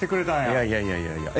いやいやいやいやいや。